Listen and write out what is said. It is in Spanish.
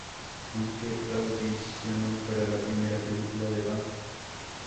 Aunque audicionó para la primera película de Bond, "Dr.